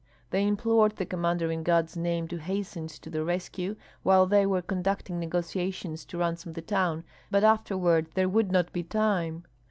They implored the commander in God's name to hasten to their rescue, while they were conducting negotiations to ransom the town, for afterward there would not be time.